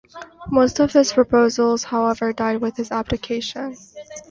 Most of his proposals, however, died with his abdication.